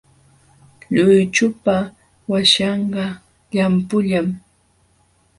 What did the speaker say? Luychupa waśhanqa llampullam.